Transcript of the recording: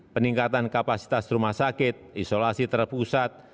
peningkatan kapasitas rumah sakit isolasi terpusat